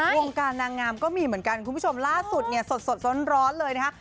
วงการนางงามก็มีเหมือนกันคุณผู้ชมล่าสุดเนี่ยสดร้อนเลยนะคะ